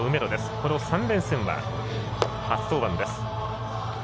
この３連戦は、初登板です。